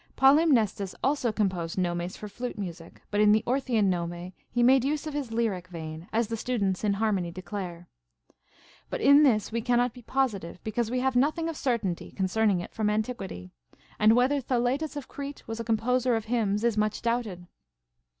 10. Polymnestus also composed nomes for flute music ; but in the Orthian nome he made use of his lyric vein, as the students in harmony declare. But in this we cannot be positiv^e, because we have nothing of certainty concern ing it from antiquity ; and whether Thaletas of Crete was a composer of hymns is much doubted.